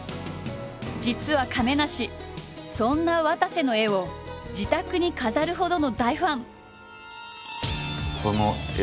実は亀梨そんなわたせの絵を自宅に飾るほどの大ファン！